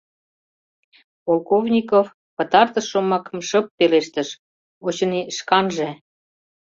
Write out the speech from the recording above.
Полковников пытартыш шомакым шып пелештыш, очыни, шканже.